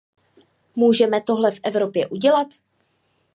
Můžeme tohle v Evropě udělat?